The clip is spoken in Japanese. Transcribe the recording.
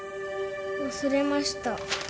忘れました。